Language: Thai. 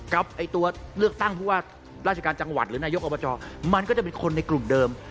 ไอ้ตัวเลือกตั้งผู้ว่าราชการจังหวัดหรือนายกอบจมันก็จะเป็นคนในกลุ่มเดิม